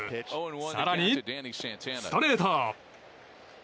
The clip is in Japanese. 更に、ストレート！